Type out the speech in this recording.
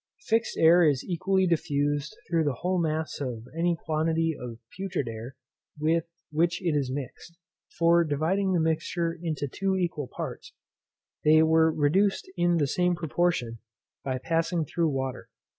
Fixed air is equally diffused through the whole mass of any quantity of putrid air with which it is mixed: for dividing the mixture into two equal parts, they were reduced in the same proportion by passing through water.